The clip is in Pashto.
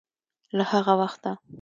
له هغه وخته